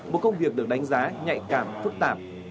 một công việc được đánh giá nhạy cảm phức tạp